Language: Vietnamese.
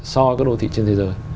so với các đô thị trên thế giới